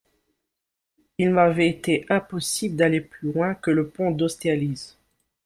Il m'avait ete impossible d'aller plus loin que le pont d'Austerlitz.